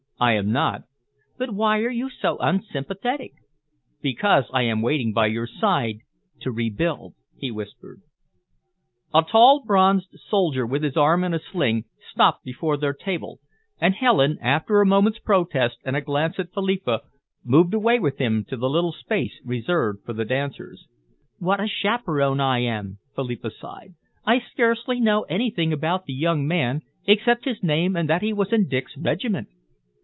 "I am not." "But why are you so unsympathetic?" "Because I am waiting by your side to rebuild," he whispered. A tall, bronzed young soldier with his arm in a sling, stopped before their table, and Helen, after a moment's protest and a glance at Philippa, moved away with him to the little space reserved for the dancers. "What a chaperon I am!" Philippa sighed. "I scarcely know anything about the young man except his name and that he was in Dick's regiment."